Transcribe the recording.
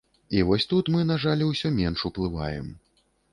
І вось тут мы, на жаль, усё менш уплываем.